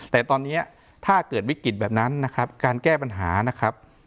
แต่ตอนนี้ถ้าเกิดวิกฤตแบบนั้นนะครับการแก้ปัญหานะครับ